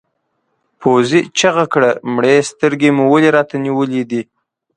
پوځي چیغه کړه مړې سترګې مو ولې راته نیولې دي؟